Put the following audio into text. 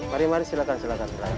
mari mari silakan silakan makan kuenya